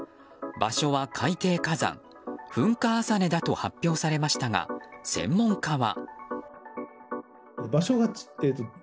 場所は海底火山噴火浅根だと発表されましたが専門家は。